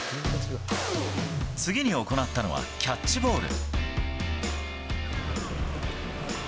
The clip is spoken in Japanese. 次に行ったのは、キャッチボール。